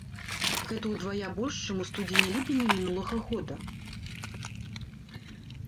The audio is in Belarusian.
Гэта ўдвая больш, чым у студзені-ліпені мінулага года.